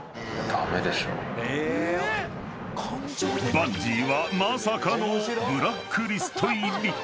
［バンジーはまさかのブラックリスト入り］